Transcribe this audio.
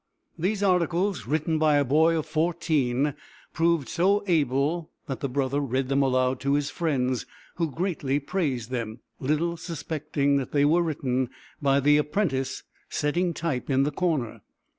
These articles, written by a boy of fourteen, proved so able that the brother read them aloud to his friends, who greatly praised them, little suspecting that they were written by the apprentice setting type in the corner.